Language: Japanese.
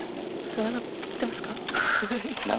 ツナがってますか。